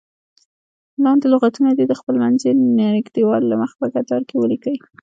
لاندې لغتونه دې د خپلمنځي نږدېوالي له مخې په کتار کې ولیکئ.